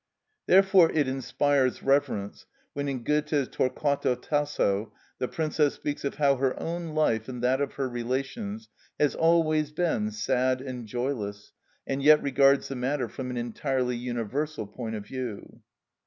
Therefore it inspires reverence when in Goethe's "Torquato Tasso" the princess speaks of how her own life and that of her relations has always been sad and joyless, and yet regards the matter from an entirely universal point of view.